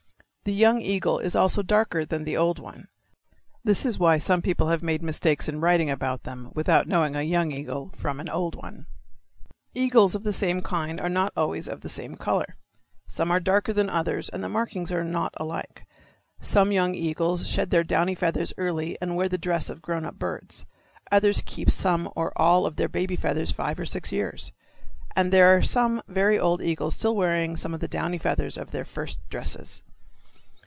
The young eagle is also darker than the old one. This is why some people have made mistakes in writing about them without knowing a young eagle from an old one. Eagles of the same kind are not always of the same color. Some are darker than others and the markings are not alike. Some young eagles shed their downy feathers early and wear the dress of grown up birds. Others keep some or all of their baby feathers five or six years. And there are some very old eagles still wearing some of the downy feathers of their first dresses.